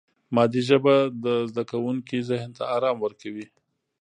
مادي ژبه د زده کوونکي ذهن ته آرام ورکوي.